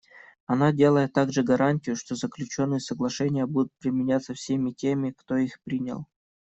Оно дает также гарантию, что заключенные соглашения будут применяться всеми теми, кто их принял.